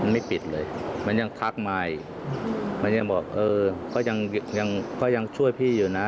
มันไม่ปิดเลยมันยังทักไมค์มันยังบอกก็ยังช่วยพี่อยู่นะ